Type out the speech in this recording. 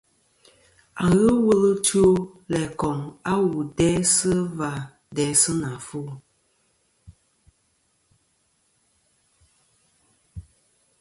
À n-ghɨ wul ɨkwo, læ koŋ a wu dæsɨ vâ dæsɨ nɨ àfo.